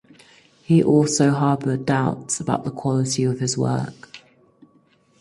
He also harbored doubts about the quality of his work.